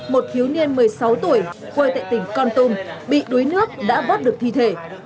một thiếu niên một mươi sáu tuổi quê tại tỉnh con tum bị đuối nước đã vớt được thi thể